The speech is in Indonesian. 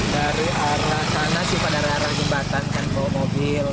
dari arah sana sih pada arah jembatan kan bawa mobil